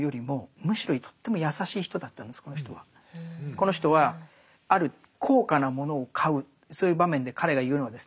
この人はある高価なものを買うそういう場面で彼が言うのはですね